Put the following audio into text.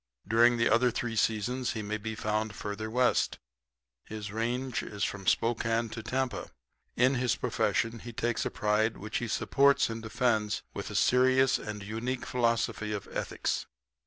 During the other three seasons he may be found further west his range is from Spokane to Tampa. In his profession he takes a pride which he supports and defends with a serious and unique philosophy of ethics.